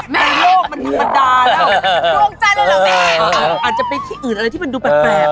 ไม่ให้กลับ